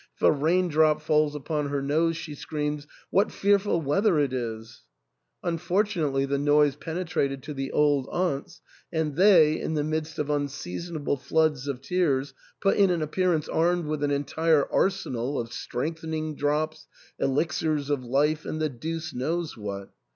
If a rain drop falls upon her nose, she screams, * What fearful weather it is !* Unfortunately the noise pene trated to the old aunts, and they, in the midst of unsea sonable floods of tears, put in an appearance armed with an entire arsenal of strengthening drops, elixirs of life, and the deuce knows what.